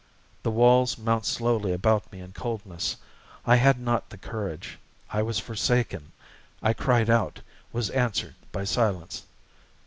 The walls mount slowly about me In coldness. I had not the courage. I was forsaken. I cried out, was answered by silence....